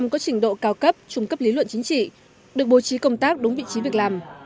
một mươi có trình độ cao cấp trung cấp lý luận chính trị được bố trí công tác đúng vị trí việc làm